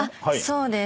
そうです。